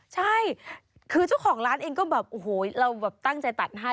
ใช่คือเจ้าของร้านเองก็แบบโอ้โหเราแบบตั้งใจตัดให้